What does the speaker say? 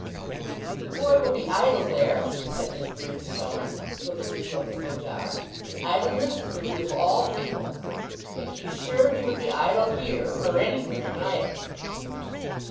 'The boy will be idle there,' said Miss Murdstone, looking into a pickle jar, 'and idleness is the root of all evil. But, to be sure, he would be idle here or anywhere, in my opinion.